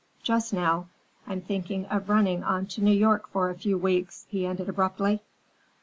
"Just now, I'm thinking of running on to New York for a few weeks," he ended abruptly.